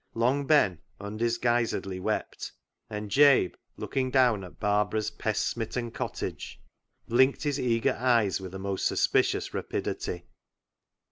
Long Ben undisguisedly wept, and Jabe, looking down at Barbara's pest smitten cottage, blinked his eager eyes with a most suspicious rapidity.